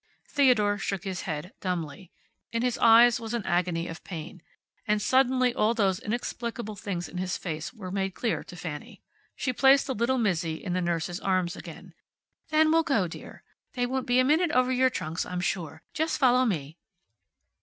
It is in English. Theodore shook his head, dumbly. In his eyes was an agony of pain. And suddenly all those inexplicable things in his face were made clear to Fanny. She placed the little Mizzi in the nurse's arms again. "Then we'll go, dear. They won't be a minute over your trunks, I'm sure. Just follow me."